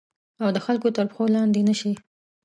او د خلګو تر پښو لاندي نه شي